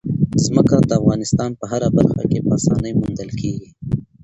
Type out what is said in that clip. ځمکه د افغانستان په هره برخه کې په اسانۍ موندل کېږي.